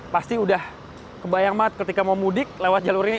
pasti udah kebayang banget ketika mau mudik lewat jalur ini